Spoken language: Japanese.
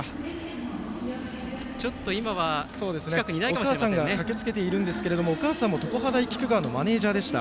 お母さんも駆けつけているですけどもお母さんも常葉大菊川のマネージャーでした。